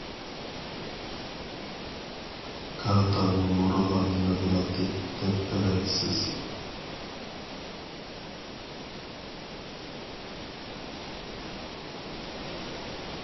كارتا نومۇرىغا نېمە بولاتتى دەپ ئەۋەتىسىز.